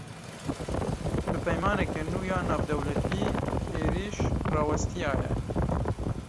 Bi peymaneke nû ya navdewletî, êriş rawestiya ye